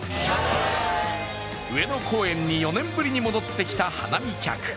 上野公園に４年ぶりに戻ってきた花見客。